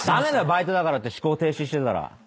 バイトだからって思考停止してたら。